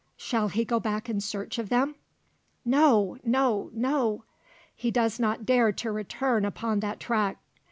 Shall he go back in search of them? No no no! He does not dare to return upon that track.